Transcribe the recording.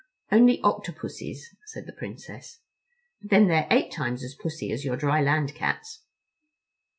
"Only Octopussies," said the Princess, "but then they're eight times as pussy as your dry land cats."